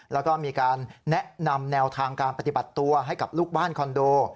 แล้วก็มีการแนะนำแนวทางการปฏิบัติตัวให้กับลูกบ้านคอนโด